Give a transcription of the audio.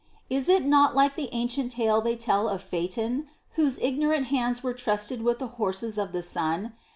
"Is it not like the ancient tale they tell of Phaeton, Whose ignorant hands were trusted with the horses of the sun?